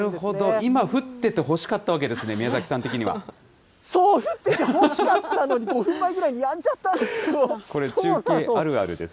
今、降っててほしかったわけですね、宮崎さん的には。そう、降っててほしかったのに、５分ぐらい前にやんじゃったこれ、中継あるあるですね。